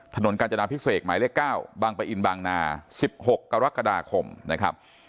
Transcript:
ถนนกาญจนาพิเศษหมายเลข๙บางปะอินบางนา๑๖กรกฎาคมนะครับ